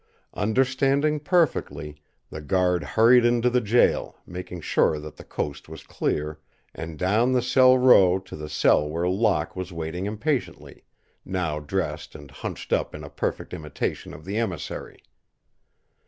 Understanding perfectly, the guard hurried into the jail, making sure that the coast was clear, and down the cell row to the cell where Locke was waiting impatiently, now dressed and hunched up in a perfect imitation of the emissary.